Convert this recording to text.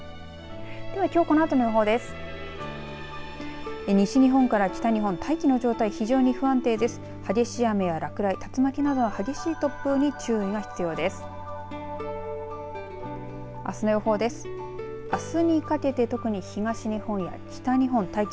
ではきょうこのあとの予報です。